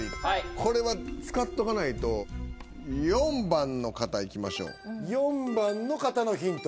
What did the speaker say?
これは使っとかないと４番の方いきましょう４番の方のヒント